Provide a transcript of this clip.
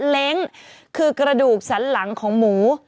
เล้งคือกระดูกสันหลังของหมู